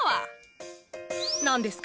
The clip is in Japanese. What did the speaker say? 何ですか？